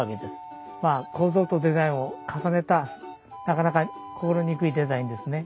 まあ構造とデザインを重ねたなかなか心憎いデザインですね。